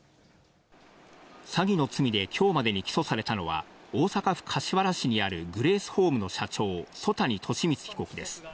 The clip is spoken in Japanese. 詐欺の罪できょうまでに起訴されたのは、大阪府柏原市にあるグレースホームの社長、曽谷利満被告です。